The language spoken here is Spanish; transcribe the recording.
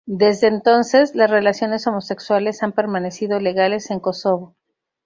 Desde entonces, las relaciones homosexuales han permanecido legales en Kosovo.